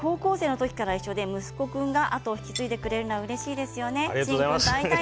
高校生のころから一緒で息子君が後を継いでくれるのはうれしいですよね。